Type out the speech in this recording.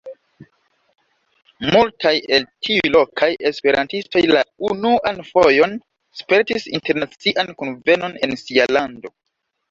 Multaj el tiuj lokaj esperantistoj la unuan fojon spertis internacian kunvenon en sia lando.